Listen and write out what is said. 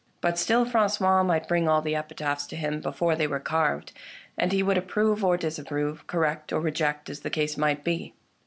But still Frangois might bring all the epitaphs to him before they were carved, and he would approve or disapprove, correct or reject, as the case might be.